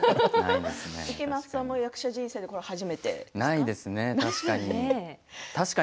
池松さんも役者人生でこれは初めてですか？